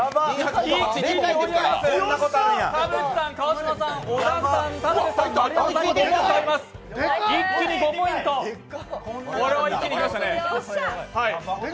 田渕さん、川島さん、小田さん、田村さん、丸山さん、一気に５ポイント、これは一気にいきましたね。